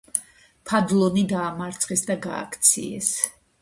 ფადლონი დაამარცხეს და გააქციეს.